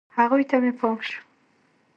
هغوی ته مې پام شو.